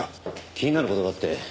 気になる事があって。